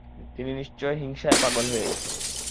তিনি নিশ্চয় হিংসায় পাগল হয়ে গেছেন।